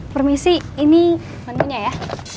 permisi ini menu nya ya